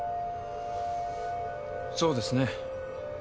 そうですね。